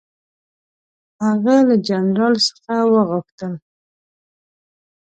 هغه له جنرال څخه وغوښتل.